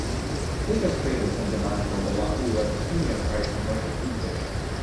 This has created some demand for the wahoo as a premium-priced commercial food fish.